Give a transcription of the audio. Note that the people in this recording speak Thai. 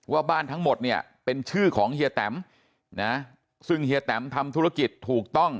ว่าบ้านทั้งหมดเนี่ยเป็นชื่อของเฮียแตมนะซึ่งเฮียแตมทำธุรกิจถูกต้อง